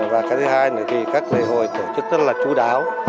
và cái thứ hai là các lễ hội tổ chức rất là chú đáo